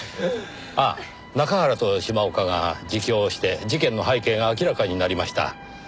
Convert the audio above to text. ああ中原と島岡が自供をして事件の背景が明らかになりました。